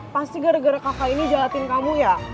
pasti gara gara kakak ini jalatin kamu ya